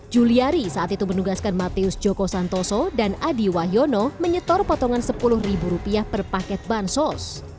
juliari saat itu menugaskan matius joko santoso dan adi wahyono menyetor potongan sepuluh ribu rupiah per paket bansos